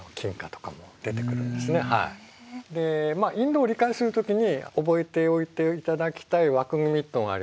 インドを理解する時に覚えておいていただきたい枠組みっていうのがありましてね